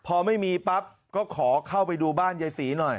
พอไม่มีปั๊บก็ขอเข้าไปดูบ้านยายศรีหน่อย